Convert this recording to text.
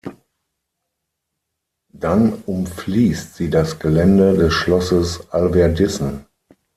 Dann umfließt sie das Gelände des Schlosses Alverdissen.